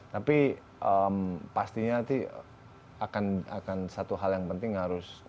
tapi pastinya nanti akan satu hal yang penting harus